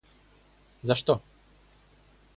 За что?